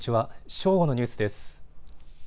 正午のニュースです。